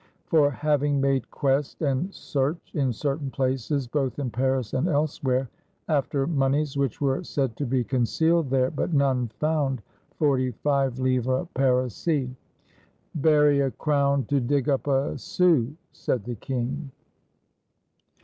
"For having made quest and search in certain places, both in Paris and elsewhere, after moneys which were said to be concealed there, but none found, forty five livres parisis." "Bury a crown to dig up a sou!" said the king.